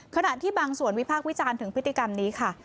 ขณะที่บางส่วนวิพากษ์วิจารณ์ถึงพฤติกรรมนี้ค่ะ